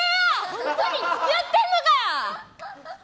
本当に付き合ってんのかよ！